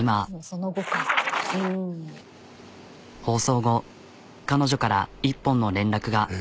放送後彼女から一本の連絡が。